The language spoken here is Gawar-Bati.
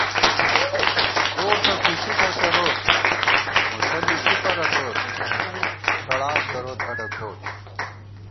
گور تہ کھُشی کھسَروت، مُٹھہ لُشی پرَتوت، کڑاک دروت اڈہ کوٹ